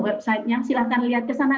websitenya silahkan lihat kesana